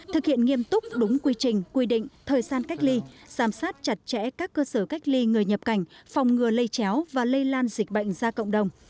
thực hiện nghiêm túc đúng quy trình quy định thời gian cách ly giám sát chặt chẽ các cơ sở cách ly người nhập cảnh phòng ngừa lây chéo và lây lan dịch bệnh ra cộng đồng